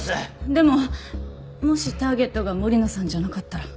でももしターゲットが森野さんじゃなかったら。